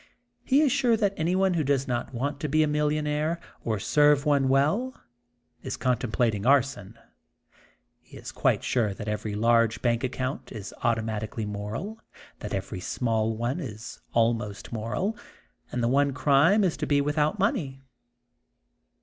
He is sure that any one who does not want to be a millionaire or serve one well is contemplating arson. He is quite sure that every large bank account is automatically moral, that every small one is ahnost moral, and the one crime is to be with out money.